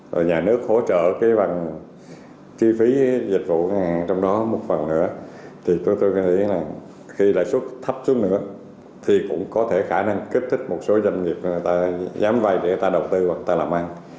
rồi nhà nước hỗ trợ cái bằng chi phí dịch vụ ngân hàng trong đó một phần nữa thì tôi nghĩ là khi lãi suất thấp xuống nữa thì cũng có thể khả năng kích thích một số doanh nghiệp người ta dám vay để người ta đầu tư hoặc người ta làm ăn